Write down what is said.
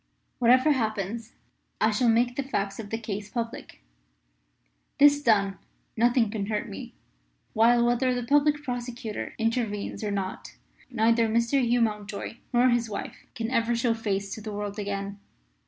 Whatever happens I shall make the facts of the case public. This done, nothing can hurt me; while, whether the Public Prosecutor intervenes or not, neither Mr. Hugh Mountjoy nor his wife can ever show face to the world again.